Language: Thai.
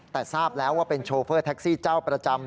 แต่ทราบแล้วว่าเป็นโชเฟอร์แท็กซี่เจ้าประจำ